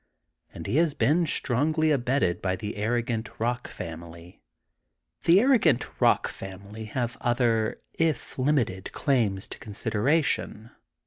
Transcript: And he has been strongly abetted by the arrogant Bock family. The arrogant Bock family have other, if limited, claims to consideration.